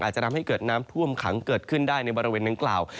อาจจะทำให้เกิดน้ำท่วมขังเกิดขึ้นได้ในบริเวณดังกล่าว